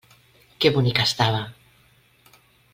Que bonica estava!